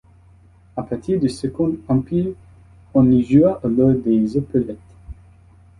À partir du Second Empire, on y joua alors des opérettes.